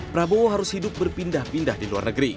prabowo harus hidup berpindah pindah di luar negeri